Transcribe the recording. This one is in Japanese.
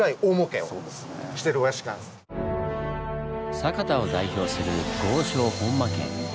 酒田を代表する豪商本間家。